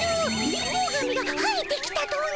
貧乏神が生えてきたとな。